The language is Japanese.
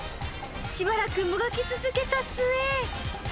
しばらくもがき続けた末。